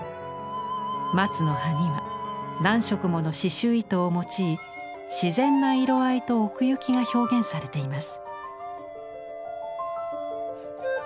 松の葉には何色もの刺繍糸を用い自然な色合いと奥行きが表現されています。